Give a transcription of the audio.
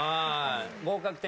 合格点